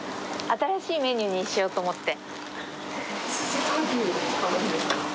新しいメニューにしようと思って。